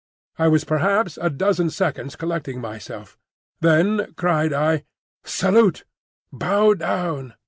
I was perhaps a dozen seconds collecting myself. Then cried I, "Salute! Bow down!"